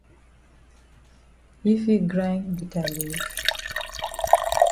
Yi fit grind bitter leaf?